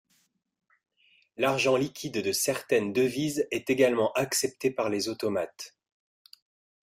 L'argent liquide de certaines devises est également accepté par les automates.